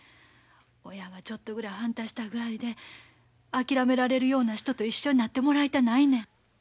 親がちょっとぐらい反対したぐらいで諦められるような人と一緒になってもらいたないねん。